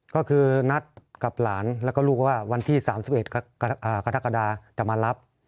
ก็คือนัดกับหลานแล้วก็ลูกว่าวันที่๓๑กรกฎาจะมารับ